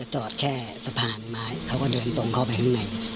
จอดแค่สะพานสะพานหมาเค้าก็เดินตรงเข้าไปข้างใน